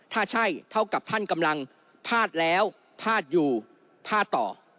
ถ้าใช่เท่ากับท่านกำลังพาดแล้วพาดอยู่พาดต่อ